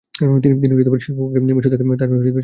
তিনি শিরকুহকে মিশর থেকে তার সেনা সরিয়ে নিতে বলেন।